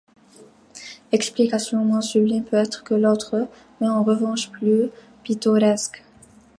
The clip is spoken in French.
Explication moins sublime peut-être que l’autre, mais en revanche plus pittoresque.